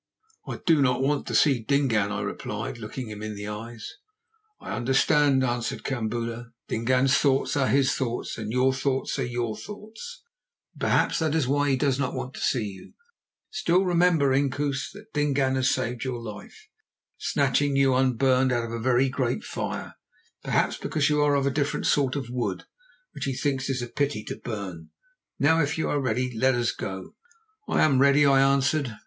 "I do not want to see Dingaan," I replied, looking him in the eyes. "I understand," answered Kambula; "Dingaan's thoughts are his thoughts and your thoughts are your thoughts, and perhaps that is why he does not want to see you. Still, remember, Inkoos, that Dingaan has saved your life, snatching you unburned out of a very great fire, perhaps because you are of a different sort of wood, which he thinks it a pity to burn. Now, if you are ready, let us go." "I am ready," I answered.